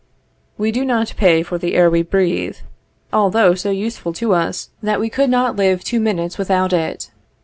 We do not pay for the air we breathe, although so useful to us, that we could not live two minutes without it.